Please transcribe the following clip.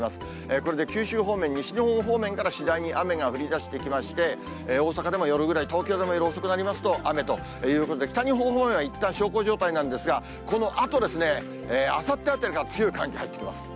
これで九州方面、西日本方面から次第に雨が降りだしてきまして、大阪でも夜ぐらい、東京でも夜遅くなりますと、雨ということで、北日本方面はいったん小康状態なんですが、このあとですね、あさってあたりから強い寒気入ってきます。